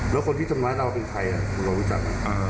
แล้วคนที่จำนวนเราเป็นใครอ่ะเรารู้จักนะ